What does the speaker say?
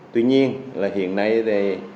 tuy nhiên là hiện nay thì